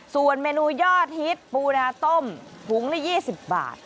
ส่วนเมนูยอดฮิตปูนาต้มถุงละ๒๐บาท